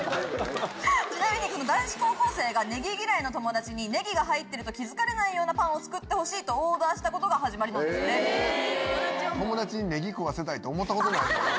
ちなみに男子高校生がネギ嫌いの友達にネギが入ってると気付かれないようなパンを作ってほしいとオーダーしたことが始まりなんですって。って思ったことないもんな。